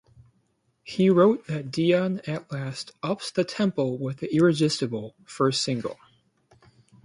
He wrote that Dion at last "ups the tempo with the irresistible" first single.